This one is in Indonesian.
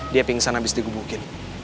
dia pingsan abis di gebukin